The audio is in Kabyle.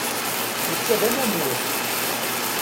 Netta d anamur